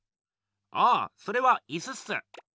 ああそれは椅子っす。